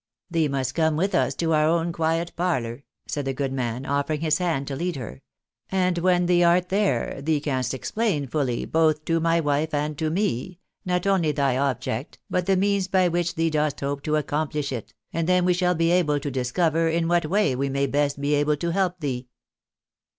" Thee must come with us to our own quiet parlour," said the good man, offering his hmd to lead her, " and when thee art there thee canst explain fully, both to my wife and to me, not only thy object, but the means by which thee dost hope to accomplish it, and then we shall be able to discover in what way we may best be able to help thee."